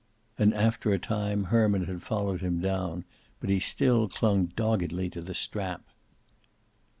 And, after a time, Herman had followed him down, but he still clung doggedly to the strap.